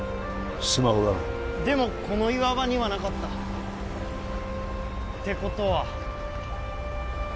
スマホだなでもこの岩場にはなかったってことは？